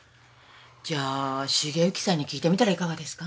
じゃあ繁行さんに聞いてみたらいかがですか？